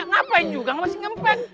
ngapain juga masih ngempeng